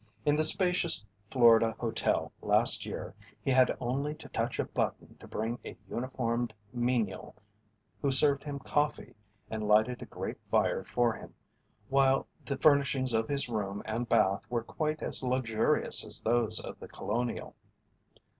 In the spacious Florida hotel last year he had only to touch a button to bring a uniformed menial who served him coffee and lighted a grate fire for him, while the furnishings of his room and bath were quite as luxurious as those of The Colonial.